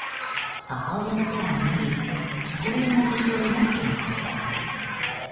母親の手を握り父親の無事を祈っていました。